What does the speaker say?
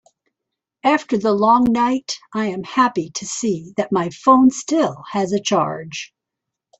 After the long night, I am happy to see that my phone still has a charge.